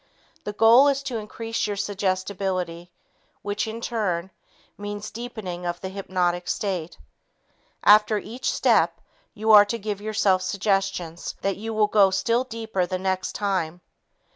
The goal is to increase your suggestibility which, in turn, means deepening of the hypnotic state. After each step, you are to give yourself suggestions that you will go still deeper the next time.